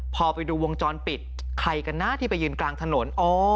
พอไปดูวงจรปิดใครกันนะที่ไปยืนกลางถนน